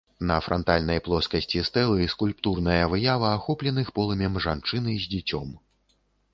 На франтальнай плоскасці стэлы скульптурная выява ахопленых полымем жанчыны з дзіцем.